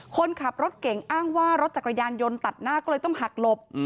คนขับรถเก่งอ้างว่ารถจักรยานยนต์ตัดหน้าก็เลยต้องหักหลบ